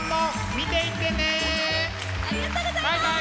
ありがとうございます！